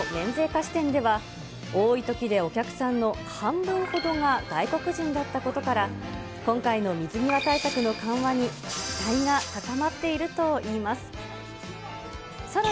菓子店では、多いときでお客さんの半分ほどが外国人だったことから、今回の水際対策の緩和に期待が高まっているといいます。